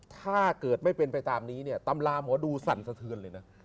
ตำลาหมอดูสั่นสะเทือนเลยนะ